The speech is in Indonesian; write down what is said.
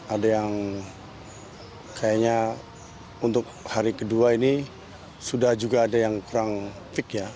ada yang kayaknya untuk hari kedua ini sudah juga ada yang kurang fik ya